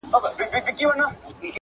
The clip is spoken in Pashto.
موټی خاورې د وطن به پرې ورنهکړم